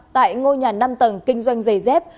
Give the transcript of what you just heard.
tại ngôi nhà năm tầng kinh doanh dày dép